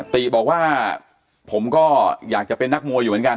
ติบอกว่าผมก็อยากจะเป็นนักมวยอยู่เหมือนกัน